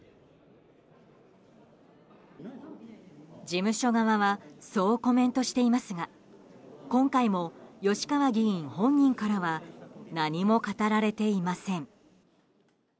事務所側はそうコメントしていますが今回も吉川議員本人からは何も語られていません。